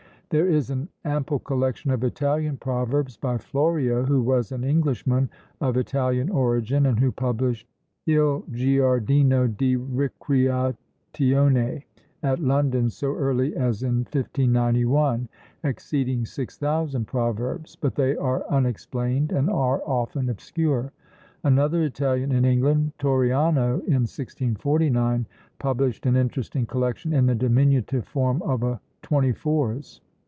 There is an ample collection of Italian proverbs, by Florio, who was an Englishman, of Italian origin, and who published "Il Giardino di Ricreatione" at London, so early as in 1591, exceeding six thousand proverbs; but they are unexplained, and are often obscure. Another Italian in England, Torriano, in 1649, published an interesting collection in the diminutive form of a twenty fours.